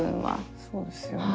そうですよね。